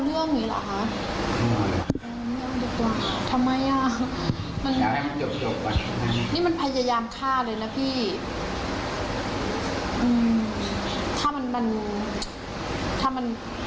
อืมถ้ามันหนักกว่านี้จะทำไงล่ะ